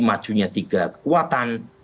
majunya tiga kekuatan